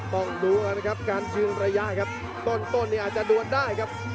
ต้องดูนะครับการยืนระยะครับต้นเนี่ยอาจจะดวนได้ครับ